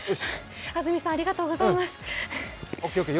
安住さん、ありがとうございます。